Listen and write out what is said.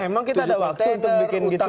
oh emang kita ada waktu untuk bikin gitulah